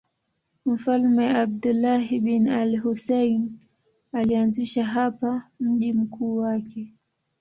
Mfalme Abdullah bin al-Husayn alianzisha hapa mji mkuu wake.